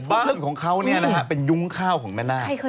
บ้านของเขาเนี่ยนะครับเป็นยุงข้าวของแม่นาค